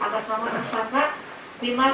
tersangka osp dari pori